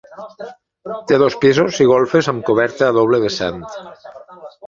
Té dos pisos i golfes amb coberta a doble vessant.